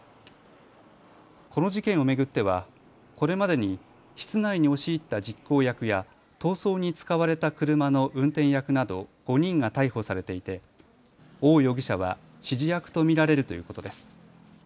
この事件を巡ってはこれまでに室内に押し入った実行役や逃走に使われた車の運転役など５人が逮捕されていて汪容疑者は指示役と見られるということです。